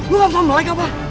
gue enggak bisa melayak apa